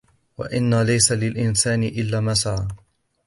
وَأَنْ لَيْسَ لِلْإِنْسَانِ إِلَّا مَا سَعَى